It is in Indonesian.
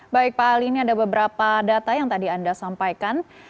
baik pak ali ini ada beberapa data yang tadi anda sampaikan